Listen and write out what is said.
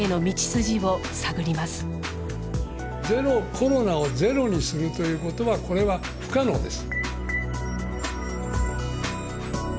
コロナをゼロにするということはこれは不可能です。